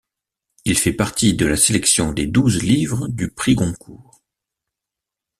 Il fait partie de la sélection des douze livres du Prix Goncourt.